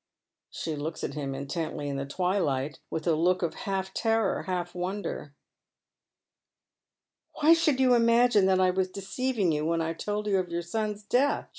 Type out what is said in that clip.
'" She looks at him intently in the twilight, with a look that i3 Vlf ten or, half wonder. " Why should you imagine that I was deceiving you when f told you of your eon's death